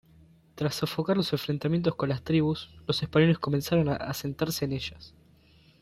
Tras sofocar los enfrentamientos con las tribus, los españoles comenzaron a asentarse en ellas.